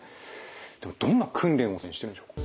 でもどんな訓練をしてるんでしょうか？